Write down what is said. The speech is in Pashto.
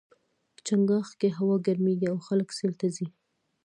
چنګاښ کې هوا ګرميږي او خلک سیل ته ځي.